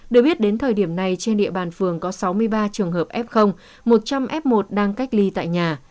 được biết đến thời điểm này trên địa bàn phường có sáu mươi ba trường hợp f một trăm linh f một đang cách ly tại nhà